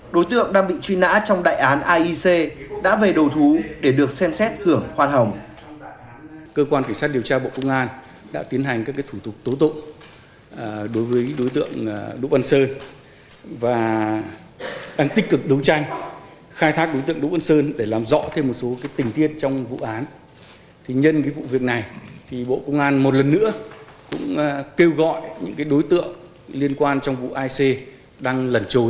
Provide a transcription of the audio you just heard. đối tượng đang bị truy nã trong đại án aic đã về đầu thú để được xem xét hưởng khoan hồng